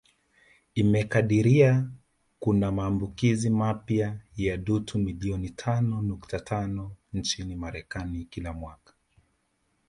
Imekadiria kuna maambukizi mapya ya dutu milioni tano nukta tano nchini Marekani kila mwaka